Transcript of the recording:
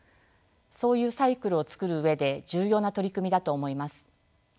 そういうサイクルをつくるうえで重要な取り組みだと思います。